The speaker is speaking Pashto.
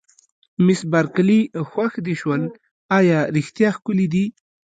مس بارکلي: خوښ دې شول، ایا رښتیا ښکلي دي؟